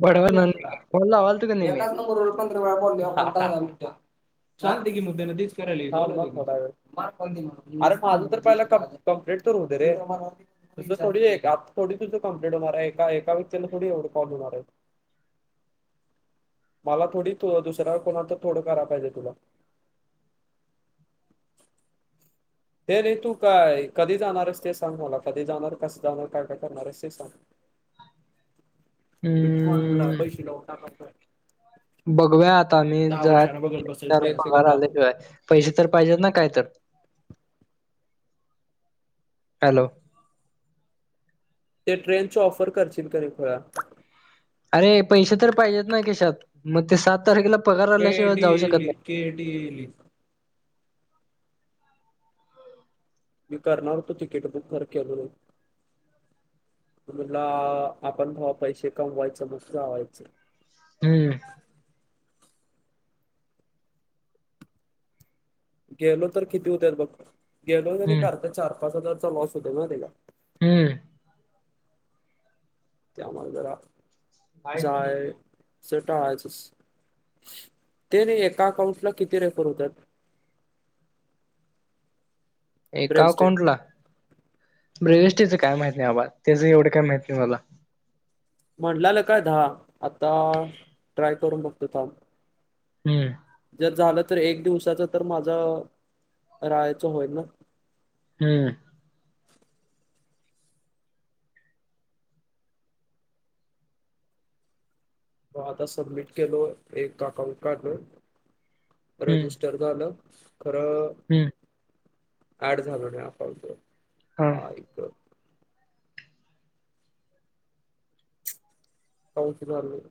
बरोबर ना. फोन लावाल तू का नाही मी एकाच नंबर वरून पंधरा वेळा फोन केल्यावर [unintelligible] दहा दहा मिंट. सांगते की मुद्दे न तीच करेली अरे माझं तर पहिला कंप कंप्लीट तर होऊ दे रे. तुझं थोडी एक आता थोडी तुझं कंप्लिंट होणार आहे एका व्यक्तीला थोडी एवढं कॉल होणार आहेत. मला थोडी तो दुसऱ्या कोणाला तरी थोडं कराया पाहिजे तुला. हे नाही तू का काय कधी जाणारेस? ते सांग मला कधी जाणार? कसं जाणार? काय काय करणारेस? ते सांग. बीटकॉनला हम्म पैसे जाऊन टाकायचेत. बघूया आता आम्ही एक [inaudible] बसेल पगार सेकंड थांब आल्याशिवाय पैसे तर पाहिजेत ना काय तर. हॅलो. ते ट्रेनचे ऑफर करशीन का रे खुळ्या? अरे पैसे तर पाहिजेत ना खिशात. मग ते सात तारखेला पगार आल्याशिवाय जाऊ शकत नाही. के डी एल ई मी कारणार होतो तीकेट बुक पण केलं नाही. म्हणला आपण भावा पैसे कमवायच, मस्त राव्हायचं. हम्म. गेलो तर किती होत्यात बघ गेलो मी हम्म करताकरता चार, पाच हजारचा लॉस होतय माहित? हम्म. त्यामुळ जरा माहित नाही जाय. अस टाळायचंच ते नाही एका अकाउंटला किती रिफर्नस होतात. एका ब्रेवस्टेप अकाउंटला ब्रेवएस्ट्रिच काय माहित नाही बाबा त्याच एवढं काय माहित नाही मला. म्हटलाना काही दहा. आता ट्राय करून बघतो थांब हं जर झालं तर एक दिवसाच तर माझं राहायचं होईल. हम्म मग आता सबमिट केलो, एक अकाउंट काडलं रजिस्टर झालं खरं हंम ऍड झाल नाही अकाउंट ला. हा आई ग! काउन्स [inaudible]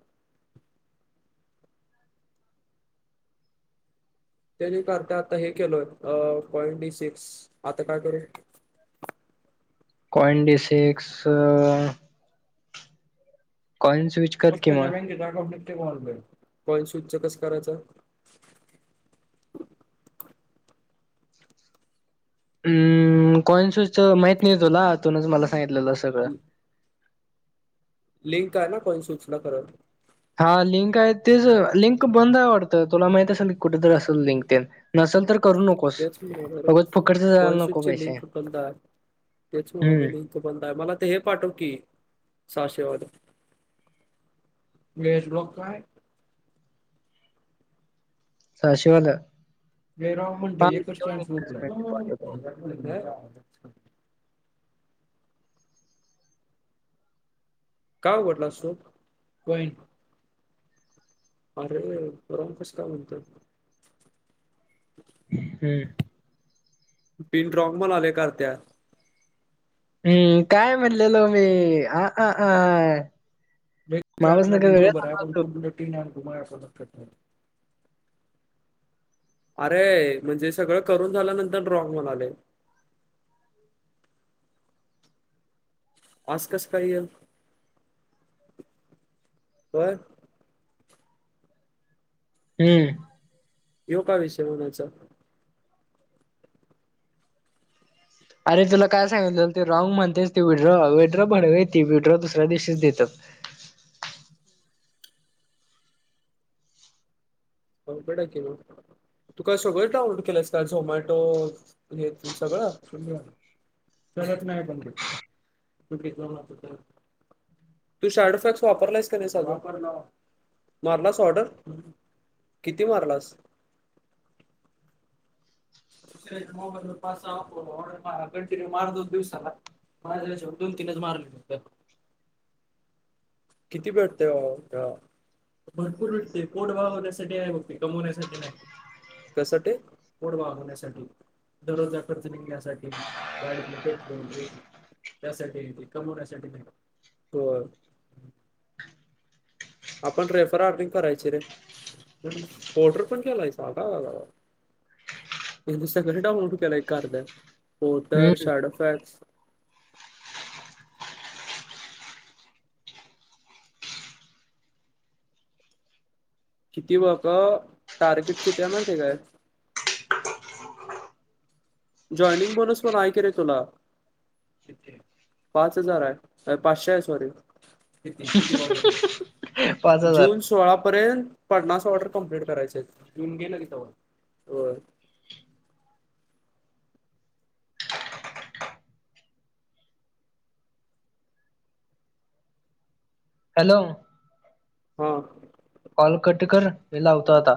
त्यानी कारता आता हे केलोय कॉइन डिसिक्स आता काय करू? कॉइन डिसिक्स काॅइन्स स्वि पोस्टाच्या बँकेचा अकाउंट निघतय का ऑनलाइन. हं कॉइन्सूच माहित नाही तुला तूच मला सांगितलेलं सगळं. लिंक आहे ना कोण सूचना करत. हा लिंक आहे तेच लिंक बंद आहे वाटतं. तुला माहित असेल की कुठेतरी असल लिंक तेन नसेल तर करू नको. नकोस तेच म्हणायलोय रं उगच फुकटच जायला कॉइन स्विचची पैसे लिंक बंद आहे तेच हम्म म्हणायलो. बंद आहे, मला ते हे पाठव की सहाशेवाल. पेज ब्लॉक काय. सहाशे वाल. जय राम मंडळी एकच स्टँक संपलाय. का उघडलास तु, कॉइन आरे राॅग कस काय म्हणतात [inaudible] हं [inaudible] पिन रॉंग म्हणालय कारत्या हं काय म्हणलेलो मी, आ हा आं एक चार्च प्लाटी बरोबर आहे पण [inaudible] अरे म्हणजे सगळं करून झाल्यानंतर रॉंग म्हणालय. आस कसं काय हे. होय. हम्म यो काय विषय म्हणायचा. अरे तुला काय सांगितल ते रॉंग म्हणतेच ते विड्रॉ, विड्रो बनवे ती विड्रो दुसऱ्या दिवशीच देतं. कॉन्फिडंटली. तु का सगळं डाउनलोड केलायस का, झोमॅटो हे ते सगळं. सगळंच नाही पण, [inaudible] तू शॅडोफॅक्स वापरलायस का नाही अजुन, मारलास ऑर्डर‌. किती मारलास. दुसऱ्याच्या मोबाईल वर पाच सहा ऑर्डर म कंटिन्यू मार होतो दिवसाला. माझ्या याच्यावर दोन तीनच मारले. किती भेटते ऑर्डर. भरपूर भेटते पोट भागवण्यासाठी आहे बघ ते कमवण्यासाठी नाही. कशासाठी? पोट भागवण्यासाठी- दररोजचा खर्च निघण्यासाठी, गाडीतल पेट्रोल, त्यासाठी ते कमवण्यासाठी नाही बर. आपण रेफर अधिक करायची रे पोर्टर पण केलायस [unintelligible] बरे मग सगळे डाऊनलोड केला एक कारदा पोर्टर हम्म शॅडो फॅक्स किती बघा टार्गेट किती आहे माहिती काय. जॉईनिंग बोनस पण आहे का रे तुला. पाच हजार आहे, पाचशे आहे सॉरी किती किती ऑर्डर वर? पाच हजार जून सोळा पर्यंत पन्नास ऑर्डर कंप्लीट करायचेत, जून गेलं कि तवा. हो. हॅलो! हा. कॉल कटकर मी लावतो आता.